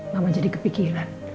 mama jadi kepikiran